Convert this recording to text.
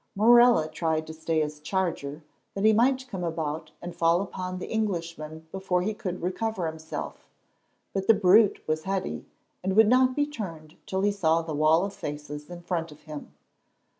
Morella tried to stay his charger, that he might come about and fall upon the Englishman before he could recover himself; but the brute was heady, and would not be turned till he saw the wall of faces in front of him.